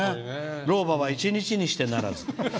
「老婆は一日にしてならず」。